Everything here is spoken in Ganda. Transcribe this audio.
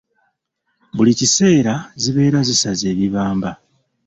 Buli kiseera zibeera zisaze ebibamba.